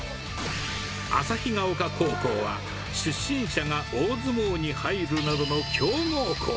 旭丘高校は、出身者が大相撲に入るなどの強豪校。